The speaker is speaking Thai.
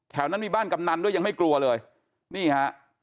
แถวนั้นมีบ้านกำนันด้วยยังไม่กลัวเลยนี่ฮะ